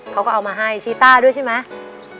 เขาก็เอามาให้ชี้ต้าด้วยใช่ไหม